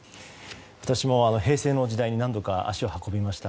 私も平成の時代に何度か足を運びました。